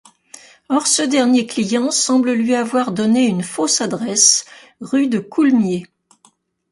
Or, ce dernier client semble lui avoir donné une fausse adresse, rue de Coulmiers.